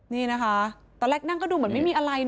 นี่นะคะตอนแรกนั่งก็ดูเหมือนไม่มีอะไรนะ